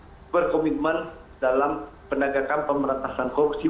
dan juga untuk berkomitmen dalam penegakan pemerintahan korupsi